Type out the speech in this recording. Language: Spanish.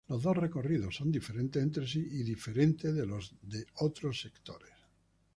Los dos recorridos son diferentes entre sí y diferentes de los de otros sectores.